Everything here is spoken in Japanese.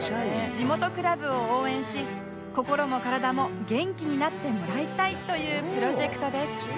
地元クラブを応援し心も体も元気になってもらいたいというプロジェクトです